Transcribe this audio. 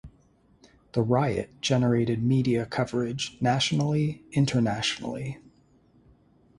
The riot generated media coverage nationally internationally.